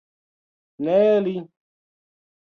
Ne li.